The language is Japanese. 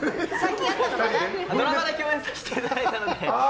ドラマで共演させていただいたので。